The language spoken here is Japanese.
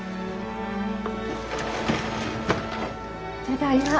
ただいま。